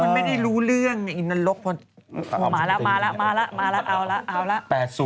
มาละเอาละเอาละ